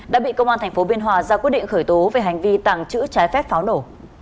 đã bị công an tp biên hòa ra quyết định khởi tố về hành vi tàng trữ trái phép pháo nổ